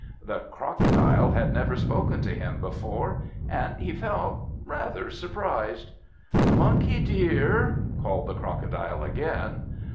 The Crocodile had never spoken to him before, and he felt rather surprised. "Monkey, dear!" called the Crocodile, again.